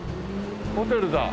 ホテルだ。